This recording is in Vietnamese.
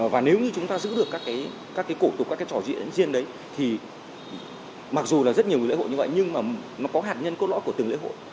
và nếu như chúng ta giữ được các cái cổ tục các cái trò diễn riêng đấy thì mặc dù là rất nhiều lễ hội như vậy nhưng mà nó có hạt nhân cốt lõi của từng lễ hội